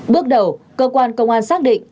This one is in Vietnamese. bước đầu cơ quan công an xác định